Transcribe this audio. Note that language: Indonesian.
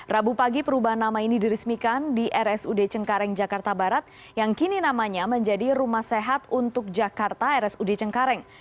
rabu pagi perubahan nama ini dirismikan di rsud cengkareng jakarta barat yang kini namanya menjadi rumah sehat untuk jakarta rsud cengkareng